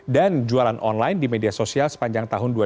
dan jualan online di media sosial sepanjang tahun dua ribu dua puluh satu